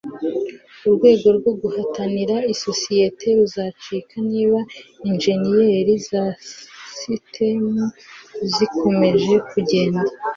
Urwego rwo guhatanira isosiyete ruzacika niba injeniyeri za sisitemu zikomeje kugenda